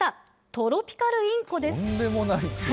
トロピカルインコです。